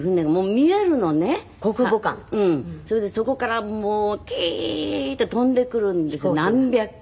それでそこからもうキーッて飛んでくるんです何百機って。